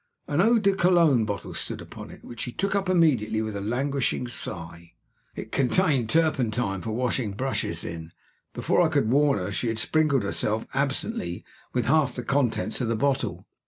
An eau de Cologne bottle stood upon it, which she took up immediately with a languishing sigh. It contained turpentine for washing brushes in. Before I could warn her, she had sprinkled herself absently with half the contents of the bottle.